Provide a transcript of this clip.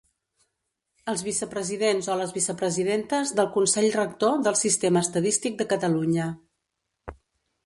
Els vicepresidents o les vicepresidentes del Consell Rector del Sistema estadístic de Catalunya.